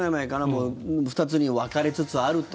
もう２つに分かれつつあると。